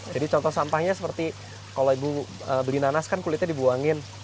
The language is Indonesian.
jadi contoh sampahnya seperti kalau ibu beli nanas kan kulitnya dibuangin